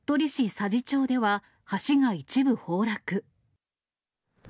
佐治町では橋が一部崩落。